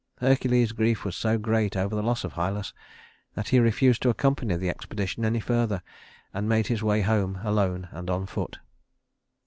Hercules's grief was so great over the loss of Hylas that he refused to accompany the expedition any further, and made his way home alone and on foot.